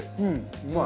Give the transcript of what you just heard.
うまい。